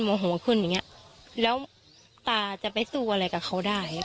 อย่างเงี้ยแล้วตาจะไปสู้อะไรกับเขาได้